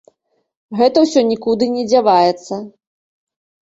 Гэта ўсё нікуды не дзяваецца.